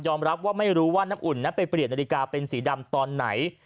รับว่าไม่รู้ว่าน้ำอุ่นนั้นไปเปลี่ยนนาฬิกาเป็นสีดำตอนไหน